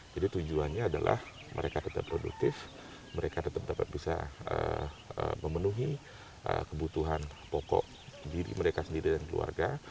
jadi tujuannya adalah mereka tetap produktif mereka tetap dapat bisa memenuhi kebutuhan pokok diri mereka sendiri dan keluarga